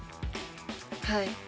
はい。